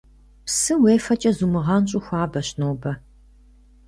Псы уефэкӏэ зумыгъэнщӏыу хуабэщ нобэ.